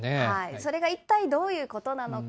それが一体どういうことなのか。